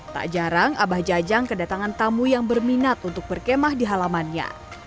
tak jarang abah jajang kedatangan tamu yang berminat untuk berkemah di halamannya